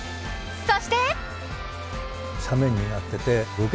そして。